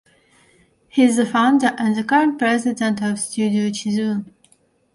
He is the founder and current president of Studio Chizu.